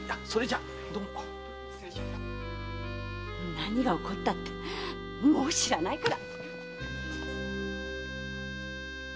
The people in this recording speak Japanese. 何が起こったってもう知らないから！